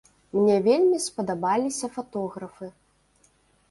Мне вельмі спадабаліся фатографы.